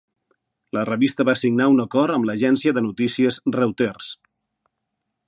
La revista va signar un acord amb l'agència de notícies Reuters.